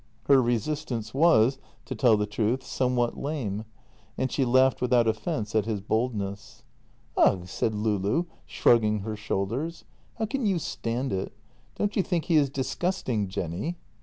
Her resistance was, to tell the truth, somewhat lame, and she laughed without of fence at his boldness. " Ugh! " said Loulou, shrugging her shoulders. " Plow can you stand it? Don't you think he is disgusting, Jenny?